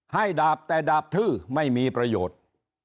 ดาบแต่ดาบทื้อไม่มีประโยชน์